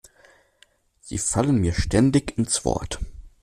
Sie fallen mir ständig ins Wort.